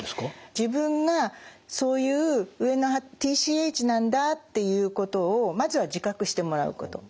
自分がそういうＴＣＨなんだっていうことをまずは自覚してもらうこと。